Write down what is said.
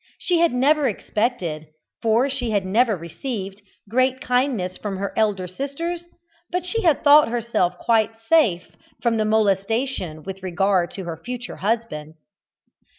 She had never expected, for she had never received, great kindness from her elder sisters, but she had thought herself quite safe from molestation with regard to her future husband.